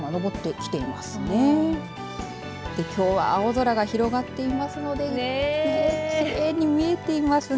きょうは青空が広がっていますのできれいに見えてますね。